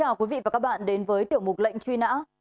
chào quý vị và các bạn đến với tiểu mục lệnh truy nã